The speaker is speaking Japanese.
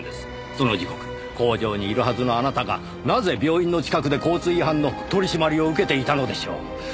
その時刻工場にいるはずのあなたがなぜ病院の近くで交通違反の取り締まりを受けていたのでしょう？